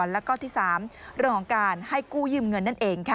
แล้วก็ที่๓เรื่องของการให้กู้ยืมเงินนั่นเอง